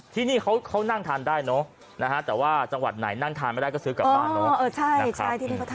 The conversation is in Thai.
ที่นี่เขานั่งทานได้เนอะแต่ว่าจังหวัดไหนนั่งทานไม่ได้ก็ซื้อกลับบ้านเนอะ